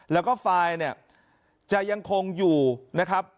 แล้วก็ไฟล์เนี่ยจะยังคงอยู่นะครับ